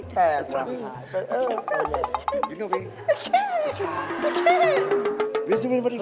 แปลกประหลาด